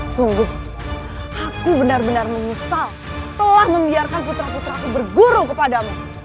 sungguh aku benar benar menyesal telah membiarkan putera putera aku bergurung kepadamu